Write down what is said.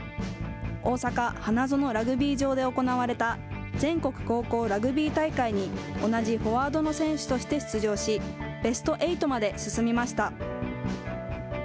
大阪・花園ラグビー場で行われた全国高校ラグビー大会に同じフォワードの選手として出場し、ベスト８まで進みました。